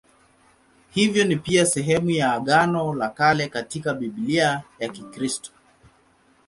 Hivyo ni pia sehemu ya Agano la Kale katika Biblia ya Kikristo.